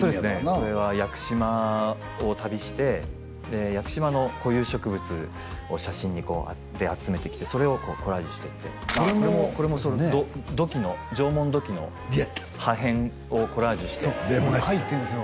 これは屋久島を旅してで屋久島の固有植物を写真で集めてきてそれをコラージュしていってこれもこれもそう土器の縄文土器の破片をコラージュしてそうこれ入ってんですよ